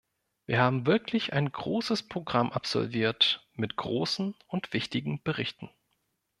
Wir haben wirklich ein großes Programm absolviert mit großen und wichtigen Berichten.